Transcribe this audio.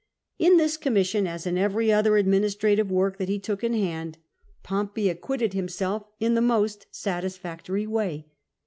In this commission, as in every other administrative work that he took in hand, Pompey acquitted himself in the most satisfactory way.